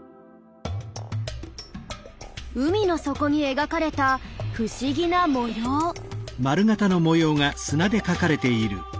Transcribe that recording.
海の底に描かれた不思議な模様。